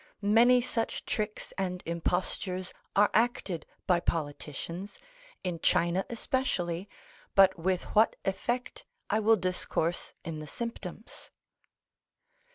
Many such tricks and impostures are acted by politicians, in China especially, but with what effect I will discourse in the symptoms.